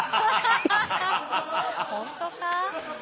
本当か？